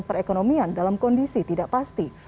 perekonomian dalam kondisi tidak pasti